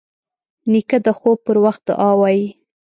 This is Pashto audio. نیکه د خوب پر وخت دعا وايي.